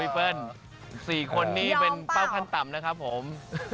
เปิ้ล๔คนนี้เป็นเป้าขั้นต่ำนะครับผม